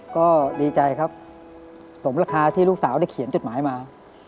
ก็ดีใจครับสมราคาที่ลูกสาวได้เขียนจดหมายมา